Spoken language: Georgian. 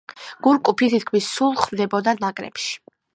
გურკუფი თითქმის სულ ხვდებოდა ნაკრებში.